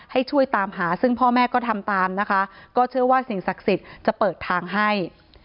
ให้ช่วยตามหาซึ่งพ่อแม่ก็ทำตามนะคะก็เชื่อว่าสิ่งศักดิ์สิทธิ์จะเปิดทางให้